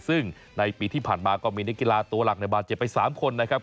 ซึ่งในปีที่ผ่านมาก็มีนักกีฬาตัวหลักในบาดเจ็บไป๓คนนะครับ